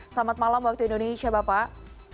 selamat malam waktu indonesia bapak